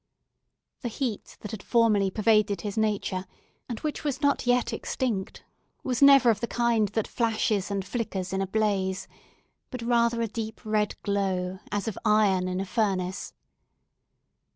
The heat that had formerly pervaded his nature, and which was not yet extinct, was never of the kind that flashes and flickers in a blaze; but rather a deep red glow, as of iron in a furnace.